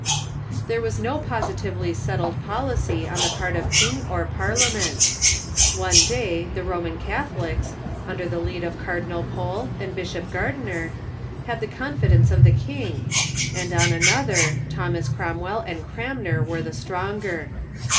There was no positively settled policy on the part of king or Parliament. One day the Roman Catholics, under the lead of Cardinal Pole and Bishop Gardiner, had the confidence of the king, and on another Thomas Cromwell and Cranmer were the stronger.